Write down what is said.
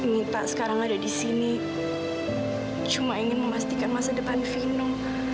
minta sekarang ada di sini cuma ingin memastikan masa depan fino